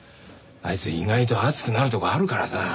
あいつ意外と熱くなるところあるからさ。